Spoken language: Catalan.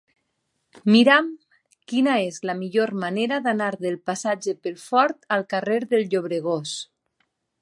Mira'm quina és la millor manera d'anar del passatge Pelfort al carrer del Llobregós.